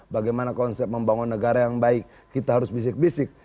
bagaimana konsep membangun negara yang baik kita harus bisik bisik